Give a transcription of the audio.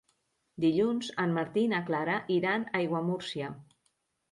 Dilluns en Martí i na Clara iran a Aiguamúrcia.